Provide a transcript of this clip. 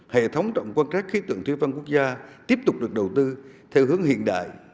hệ thống trọng quan trách khí tượng thiên tai quốc gia tiếp tục được đầu tư theo hướng hiện đại